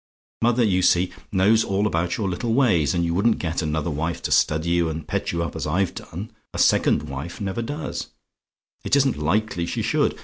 "Mother, you see, knows all your little ways; and you wouldn't get another wife to study you and pet you up as I've done a second wife never does; it isn't likely she should.